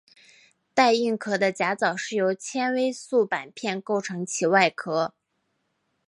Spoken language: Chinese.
带硬壳的甲藻是由纤维素板片构成其外壳。